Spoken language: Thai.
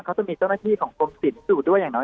เขาจะมีเจ้าหน้าที่ของกรมศิลป์อยู่ด้วยอย่างน้อย